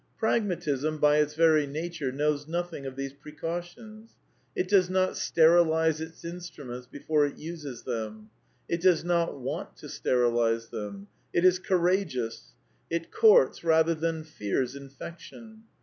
Pragmatism, by its very nature, knows nothing of these precautions. It does not sterilize its instruments before it uses them. It does not want to sterilize them. It is courageous. It courts rather than fears infection.